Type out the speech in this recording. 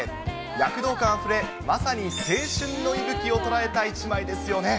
躍動感あふれ、まさに青春の息吹を捉えた１枚ですよね。